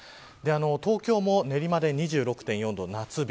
東京も練馬で２６．４度、夏日。